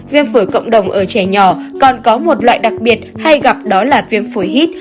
viêm phổi cộng đồng ở trẻ nhỏ còn có một loại đặc biệt hay gặp đó là viêm phổi hít